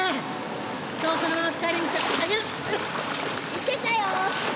いけたよ！